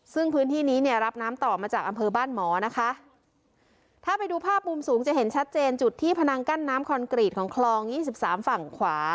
ซึ่งพื้นที่นี้เนี่ยรับน้ำต่อมาจากอำเภอบ้านหมอนะคะถ้าไปดูภาพมุมสูงจะเห็นชัดเจนจุดที่พนังกั้นน้ำคอนกรีตของคลองยี่สิบสามฝั่งขวา